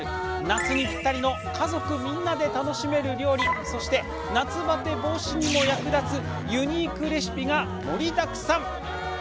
夏にぴったりの家族みんなで楽しめる料理そして、夏バテ防止にも役立つユニークレシピが盛りだくさん！